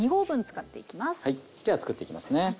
じゃあ作っていきますね。